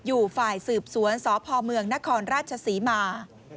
อยู่ฝ่ายสืบสวนสพเมืองนครราชศรีมา